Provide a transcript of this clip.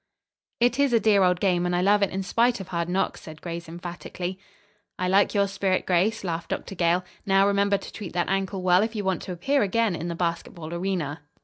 "It is a dear old game, and I love it in spite of hard knocks," said Grace emphatically. "I like your spirit, Grace," laughed Dr. Gale. "Now, remember to treat that ankle well if you want to appear again in the basketball arena."